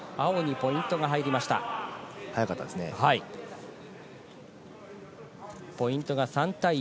ポイントが３対１。